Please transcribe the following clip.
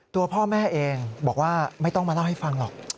ตัวพ่อแม่เองบอกว่าไม่ต้องมาเล่าให้ฟังหรอก